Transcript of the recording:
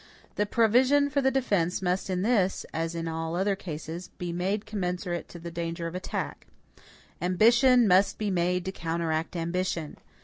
The provision for defense must in this, as in all other cases, be made commensurate to the danger of attack. Ambition must be made to counteract ambition.